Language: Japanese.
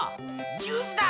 ジュースだ！